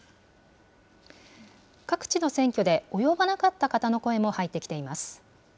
各地の選挙で及ばなかった方の声も入ってきています。